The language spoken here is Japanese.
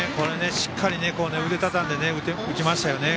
しっかり腕をたたんで打ちましたね。